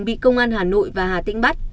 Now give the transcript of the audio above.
bị công an hà nội và hà tĩnh bắt